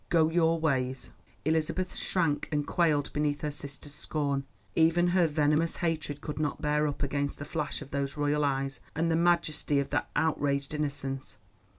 Go your ways." Elizabeth shrank and quailed beneath her sister's scorn. Even her venomous hatred could not bear up against the flash of those royal eyes, and the majesty of that outraged innocence.